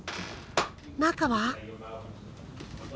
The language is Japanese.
中は？